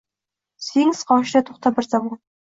Sfinks qoshida to’xta bir zamon